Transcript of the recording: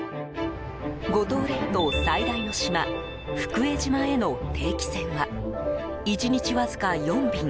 五島列島最大の島福江島への定期船は１日わずか４便。